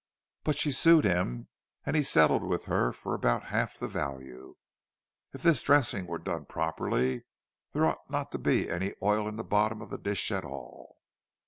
But she sued him, and he settled with her for about half the value. (If this dressing were done properly, there ought not to be any oil in the bottom of the dish at all.)"